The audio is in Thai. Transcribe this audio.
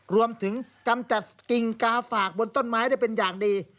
กำจัดกิ่งกาฝากบนต้นไม้ได้เป็นอย่างดี